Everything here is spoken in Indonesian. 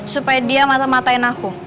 supaya dia matah matahin aku